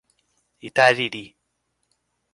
Itariri